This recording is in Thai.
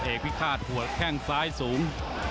เอกพิฆาตหัวแข้งซ้ายสูง